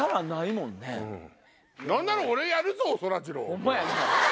ホンマやな。